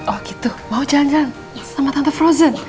oh gitu mau jalan jalan sama tante frozen